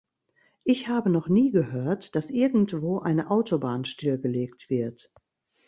Ich habe noch nie gehört, dass irgendwo eine Autobahn stillgelegt wird.